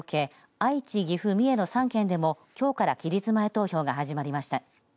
愛知、岐阜、三重の３県でもきょうから期日前投票が始まりました。